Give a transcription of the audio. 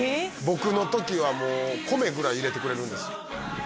僕の時はもう米ぐらい入れてくれるんです